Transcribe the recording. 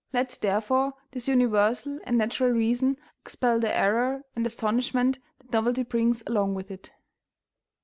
Let, therefore, this universal and natural reason expel the error and astonishment that novelty brings along with it.